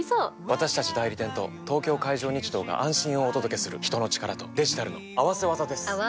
私たち代理店と東京海上日動が安心をお届けする人の力とデジタルの合わせ技です！